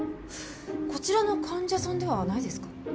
こちらの患者さんではないですか？